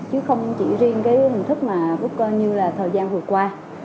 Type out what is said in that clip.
chứ không chỉ riêng cái hình thức mà bootcoin như là thời gian vừa qua